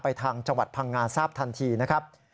ทางจังหวัดพังงาทราบทันทีนะครับ